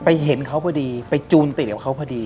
เห็นเขาพอดีไปจูนติดกับเขาพอดี